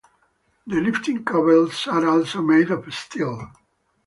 The lifting cables are also made of steel.